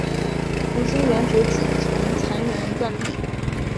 如今原址仅存残垣断壁。